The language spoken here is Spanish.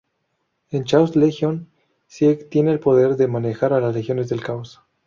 En Chaos Legion, Sieg tiene el poder de manejar a las legiones del caos.